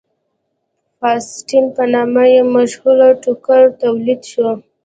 فاسټین په نامه یو مشهور ټوکر تولید شو.